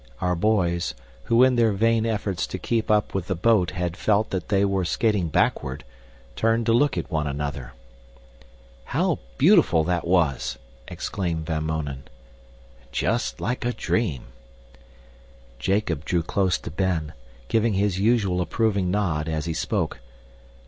Our boys, who in their vain efforts to keep up with the boat had felt that they were skating backward, turned to look at one another. "How beautiful that was!" exclaimed Van Mounen. "Just like a dream!" Jacob drew close to Ben, giving his usual approving nod, as he spoke.